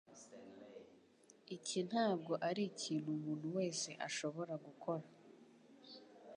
Iki ntabwo arikintu umuntu wese ashobora gukora.